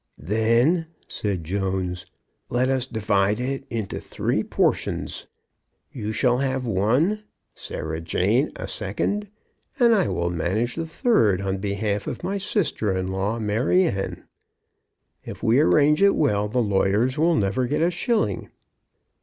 "Then," said Jones, "let us divide it into three portions. You shall have one; Sarah Jane a second; and I will manage the third on behalf of my sister in law, Maryanne. If we arrange it well, the lawyers will never get a shilling."